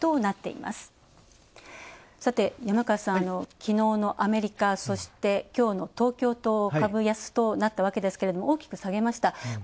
山川さん、きのうのアメリカ、そして、きょうの東京と株安となったわけですけど大きく下げました。